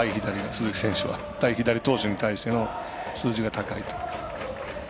鈴木選手は対左投手に対しての数字が高いと。